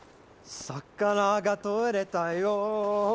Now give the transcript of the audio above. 「魚が取れたよ」